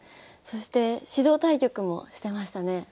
そして指導対局もしてましたね。